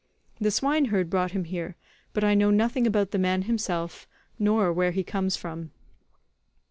The swineherd brought him here, but I know nothing about the man himself, nor where he comes from."